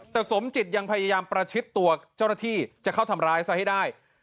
แต่สมจิตยังพยายามประชิดตัวเจ้าหน้าที่จะเข้าทำร้ายซะให้ได้